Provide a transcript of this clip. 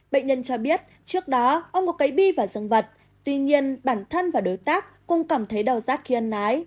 bệnh nhân cho biết trước đó ông có cấy bi vào dân vật tuy nhiên bản thân và đối tác cũng cảm thấy đau rác khi ăn nái